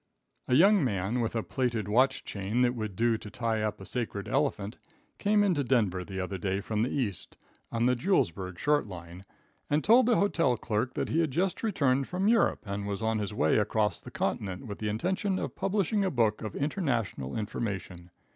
A young man, with a plated watch chain that would do to tie up a sacred elephant, came into Denver the other day from the East, on the Julesburg Short line, and told the hotel clerk that he had just returned from Europe, and was on his way across the continent with the intention of publishing a book of international information.